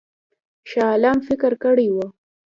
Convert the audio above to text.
شاه عالم فکر کړی وو.